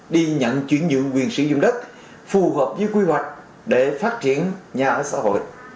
đi nhận chuyển nhượng quyền sử dụng đất phù hợp với quy hoạch để phát triển nhà ở xã hội